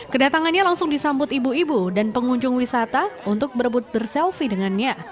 kedatangannya langsung disambut ibu ibu dan pengunjung wisata untuk berebut berselfie dengannya